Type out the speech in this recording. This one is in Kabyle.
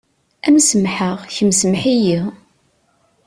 Am semḥeɣ, kemm semḥ-iyi.